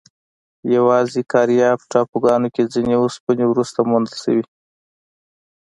یواځې کارایب ټاپوګانو کې ځینې اوسپنې وروسته موندل شوې.